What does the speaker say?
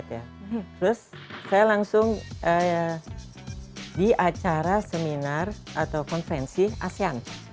terus saya langsung di acara seminar atau konferensi asean